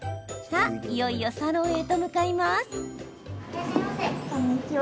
さあ、いよいよサロンへと向かいます。